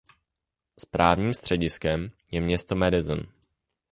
Správním střediskem je město Madison.